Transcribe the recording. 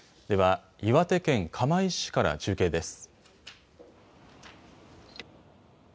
では岩手県釜石市から中継です。